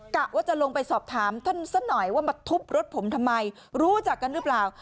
กะว่าจะลงไปสอบถามท่านซะหน่อยว่ามาทุบรถผมทำไมรู้จักกันหรือเปล่า